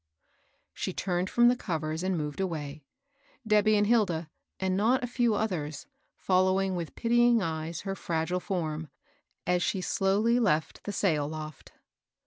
She turned from the covers and moved away, Debby and Hilda, and not a few others, following with pitying eyes her fragile form, as she slowly left the sail loft.